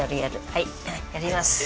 はいやります！